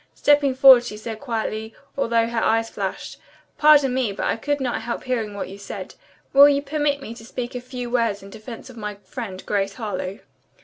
Stepping forward she said quietly, although her eyes flashed, "Pardon me, but I could not help hearing what you said. Will you permit me to speak a few words in defense of my friend, Grace Harlowe?"